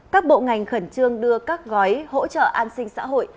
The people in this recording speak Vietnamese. các bộ ngành khẩn trương đưa các gói hỗ trợ an sinh xã hội